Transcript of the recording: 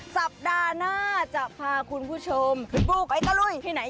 สัปดาห์หน้าจะพาคุณผู้ชมไปปลูกไอ้ตะลุยที่ไหน